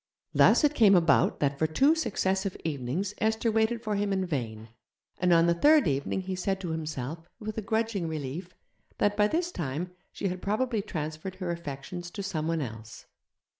Thus it came about that for two successive evenings Esther waited for him in vain, and on the third evening he said to himself, with a grudging relief, that by this time she had probably transferred her affections to someone else.